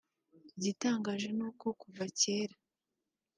Igitangaje ni uko kuva kera